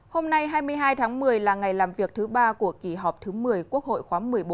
hôm nay hai mươi hai tháng một mươi là ngày làm việc thứ ba của kỳ họp thứ một mươi quốc hội khóa một mươi bốn